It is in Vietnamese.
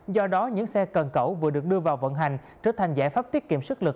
do đó những xe cần cẩu vừa được đưa vào vận hành trở thành giải pháp tiết kiệm sức lực